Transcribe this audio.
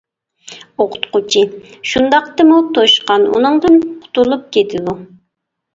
-ئوقۇتقۇچى : شۇنداقتىمۇ توشقان ئۇنىڭدىن قۇتۇلۇپ كېتىدۇ.